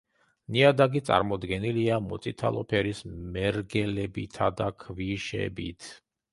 ნიადაგი წარმოდგენილია მოწითალო ფერის მერგელებითა და ქვიშებით.